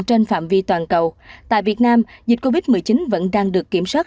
trên phạm vi toàn cầu tại việt nam dịch covid một mươi chín vẫn đang được kiểm soát